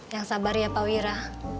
yang sabar ya pak wira